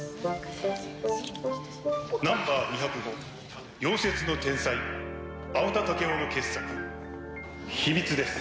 ナンバー２０５夭折の天才青田武夫の傑作『秘密』です。